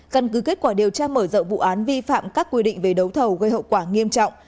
căn cứ kết quả điều tra mở rộng vụ án vi phạm các quy định về đấu thầu gây hậu quả nghiêm trọng